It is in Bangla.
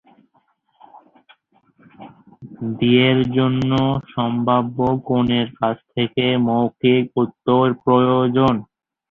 বিয়ের জন্য সম্ভাব্য কনের কাছ থেকে "মৌখিক উত্তর" প্রয়োজন।